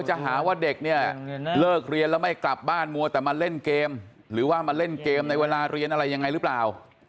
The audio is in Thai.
จะหาว่าเด็กเนี่ยเลิกเรียนแล้วไม่กลับบ้านมัวแต่มาเล่นเกมหรือว่ามาเล่นเกมในเวลาเรียนอะไรยังไงหรือเปล่า